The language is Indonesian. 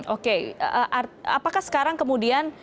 oke apakah sekarang kemudian persiapan pleno nih